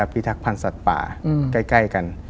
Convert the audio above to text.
พิทักษพันธ์สัตว์ป่าใกล้กัน